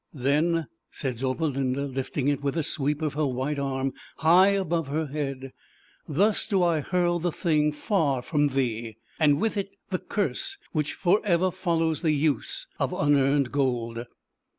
" Then," said Zauberlinda, lifting it with a sweep of her white arm, high above her head, "Thus do I hurl the thing far from thee, and with it the curse which forever fol lows the use of Unearned Gold.